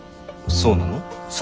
そうなの。